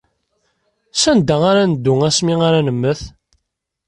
Sanda ara neddu asmi ara nemmet?